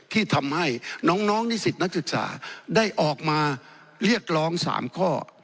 ที่ทำให้น้องนิสิตนักศึกษาได้ออกมาเรียกร้อง๓ข้อ